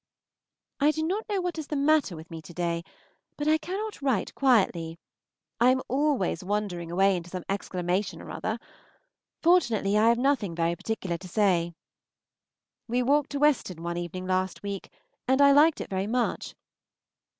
I do not know what is the matter with me to day, but I cannot write quietly; I am always wandering away into some exclamation or other. Fortunately I have nothing very particular to say. We walked to Weston one evening last week, and liked it very much.